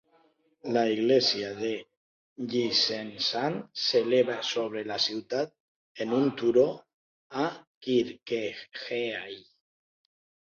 L'església de Lillesand s'eleva sobre la ciutat en un turó a Kirkeheia.